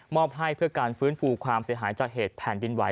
อบให้เพื่อการฟื้นฟูความเสียหายจากเหตุแผ่นดินไหว